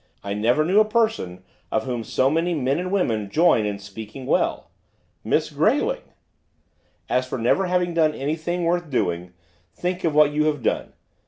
I never knew a person of whom so many men and women join in speaking well!' 'Miss Grayling!' 'As for never having done anything worth doing, think of what you have done.